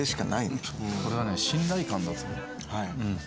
これはね信頼感だと思う。